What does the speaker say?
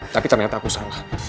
tapi ternyata aku salah